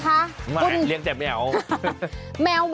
ค่ะคลิกให้ไหวไหมคะ